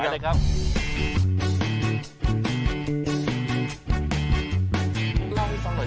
ต้องได้ลาล่ะไว้มีพอหน่อย